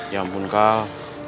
ya ampun kal